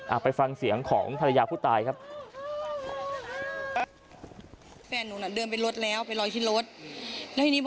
ไปฟังเสียงของภรรยาผู้ตายครับ